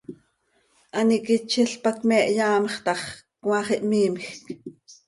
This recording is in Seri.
An iquitzil pac me hyaamx tax, cmaax ihmiimjc.